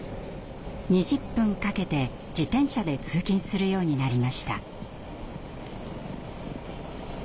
２０分かけて自転車で通勤するようになりました。